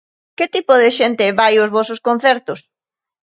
Que tipo de xente vai aos vosos concertos?